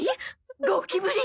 ゴキブリ？